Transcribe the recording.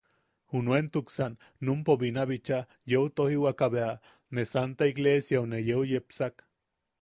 Juntuksan numpo binabicha yeu tojiwaka bea, ne santa igleesiau ne yeu yepsak.